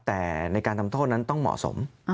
แต่ในการทำโทษนั้นต้องเหมาะสม